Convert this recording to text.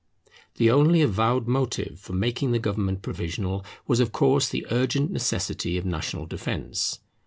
The only avowed motive for making the government provisional was of course the urgent necessity of national defence.